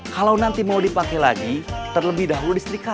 kalau nanti mau dipakai lagi terlebih dahulu